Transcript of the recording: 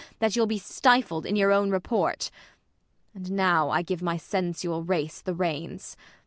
That you'll be stifled in your own report. And now I give my sensual race the reins